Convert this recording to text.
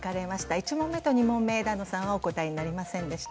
１問目と２問目は枝野さんはお答えになりませんでした。